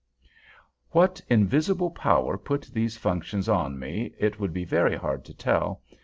What invisible power put these functions on me, it would be very hard to tell.